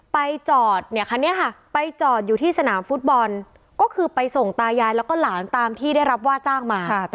ไปจอดเนี่ยคันนี้ค่ะไปจอดอยู่ที่สนามฟุตบอลก็คือไปส่งตายายแล้วก็หลานตามที่ได้รับว่าจ้างมา